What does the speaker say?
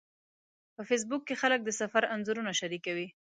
په فېسبوک کې خلک د سفر انځورونه شریکوي